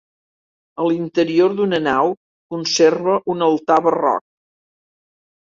A l'interior d'una nau conserva un altar barroc.